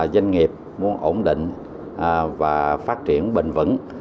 doanh nghiệp muốn ổn định và phát triển bình vẩn